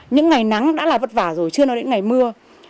những ngày nắng đã là vất vả rồi chưa nói đến ngày mưa